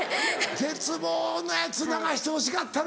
絶望のやつ流してほしかったな。